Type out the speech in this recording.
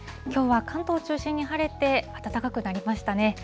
きょうは関東中心に晴れて、暖かくなりましたね。